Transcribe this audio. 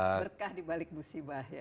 berkah dibalik musibah ya